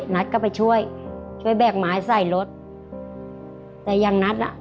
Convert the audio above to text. นัทก็ไปช่วยช่วยแบกไม้ใส่รถแต่อย่างนัทอ่ะ